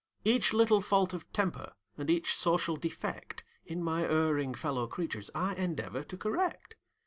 Each little fault of temper and each social defect In my erring fellow creatures, I endeavor to correct.